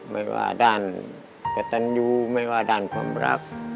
ไม่ว่าด้านกระตันยูไม่ว่าด้านความรัก